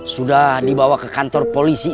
sudah dibawa ke kantor polisi